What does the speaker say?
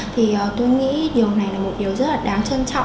thì tôi nghĩ điều này là một điều rất là đáng trân trọng